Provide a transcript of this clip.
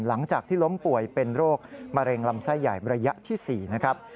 หลังจากที่ล้มป่วยเป็นโรคมะเร็งลำไส้ใหญ่ระยะที่๔นะครับ